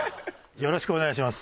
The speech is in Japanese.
よろしくお願いします。